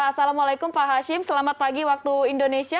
assalamualaikum pak hashim selamat pagi waktu indonesia